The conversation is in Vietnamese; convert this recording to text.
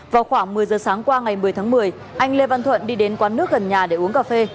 vào khoảng một mươi giờ sáng qua ngày một mươi tháng một mươi anh lê văn thuận đi đến quán nước gần nhà để uống cà phê